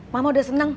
mama udah seneng